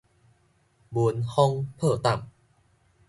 聞風破膽